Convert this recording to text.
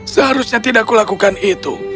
seharusnya tidak aku lakukan itu